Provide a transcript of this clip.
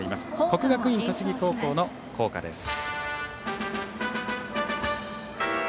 国学院栃木高校の校歌です。